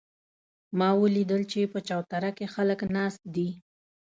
ما ولیدل چې په چوتره کې خلک ناست دي